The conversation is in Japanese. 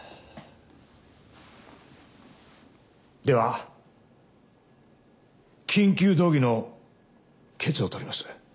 では緊急動議の決をとります。